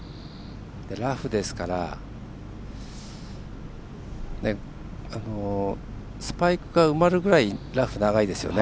ラフですからスパイクが埋まるぐらいラフ、長いですね。